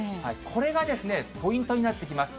これがポイントになってきます。